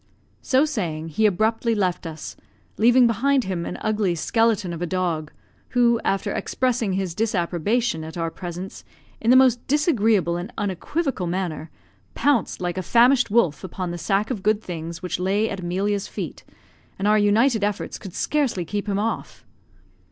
So saying he abruptly left us, leaving behind him an ugly skeleton of a dog, who, after expressing his disapprobation at our presence in the most disagreeable and unequivocal manner, pounced like a famished wolf upon the sack of good things which lay at Emilia's feet; and our united efforts could scarcely keep him off.